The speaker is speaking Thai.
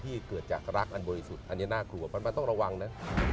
เกิดจากรักอันบริสุทธิ์อันนี้น่ากลัวเพราะมันต้องระวังนะ